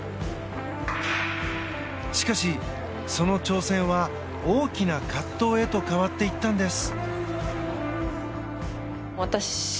しかし、その挑戦は大きな葛藤へと変わっていったんです。